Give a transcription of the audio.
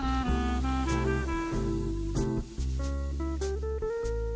perut keluar agak cantik juga